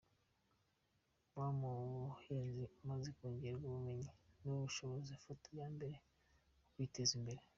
Wa muhinzi umaze kongererwa ubumenyi n’ubushobozi afata iya mbere mu kwiteza imbere”.